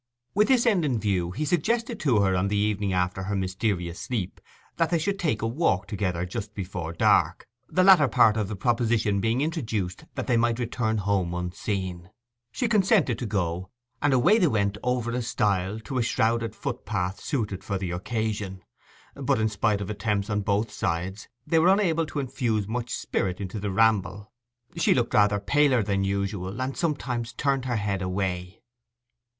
With this end in view, he suggested to her on the evening after her mysterious sleep that they should take a walk together just before dark, the latter part of the proposition being introduced that they might return home unseen. She consented to go; and away they went over a stile, to a shrouded footpath suited for the occasion. But, in spite of attempts on both sides, they were unable to infuse much spirit into the ramble. She looked rather paler than usual, and sometimes turned her head away.